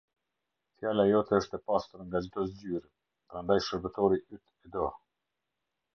Fjala jote është e pastër nga çdo zgjyrë; prandaj shërbëtori yt e do.